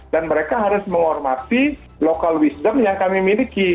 dan mereka harus menghormati kebijaksanaan lokal yang kami miliki